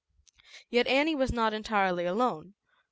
Yet Annie was not entirely alone.